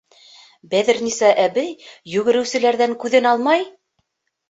Бәҙерниса әбей, йүгереүселәрҙән күҙен алмай: